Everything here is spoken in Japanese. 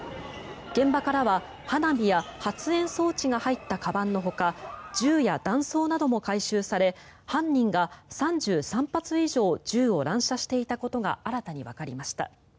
現場からは花火や発煙装置が入ったかばんのほか銃や弾倉なども回収され犯人が３３発以上銃を乱射していたことが新たにわかりました。